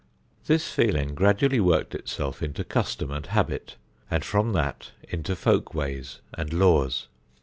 This feeling gradually worked itself into custom and habit and from that into folk ways and laws.